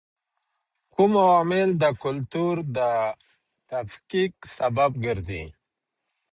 کوم عوامل د کلتور د تفکیک سبب ګرځي؟